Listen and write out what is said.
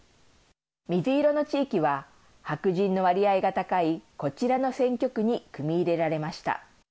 水色の地域は白人の割合が高いこちらの選挙区に組み入れられました。